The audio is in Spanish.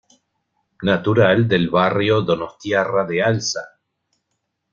Natural del barrio donostiarra de Alza.